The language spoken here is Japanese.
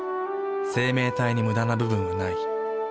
生命体にムダな部分はない。